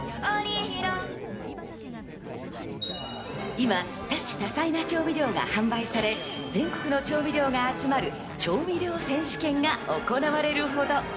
今、多種多彩な調味料が販売され、全国の調味料が集まる調味料選手権が行われるほど。